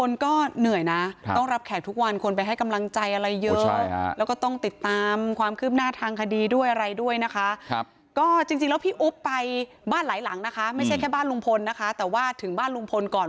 ถึงบ้านลุงพลก่อนแวะบ้านลุงพลก่อน